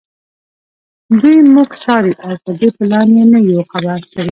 دوی موږ څاري او په دې پلان یې نه یو خبر کړي